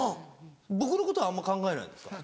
僕のことはあんま考えないんですか？